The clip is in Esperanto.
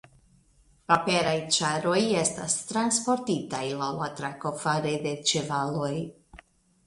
Paperaj ĉaroj estas transportitaj laŭ la trako fare de ĉevaloj.